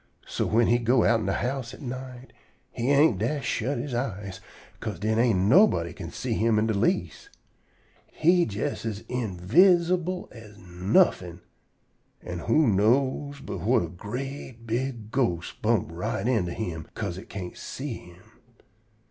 So whin he go outen de house at night, he ain't dast shut he eyes, 'ca'se den ain't nobody can see him in de least. He jest as invidsible as nuffin'! An' who know but whut a great, big ghost bump right into him 'ca'se it can't see him?